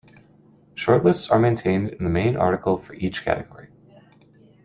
Shortlists are maintained in the main article for each category.